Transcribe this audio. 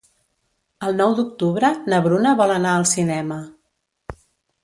El nou d'octubre na Bruna vol anar al cinema.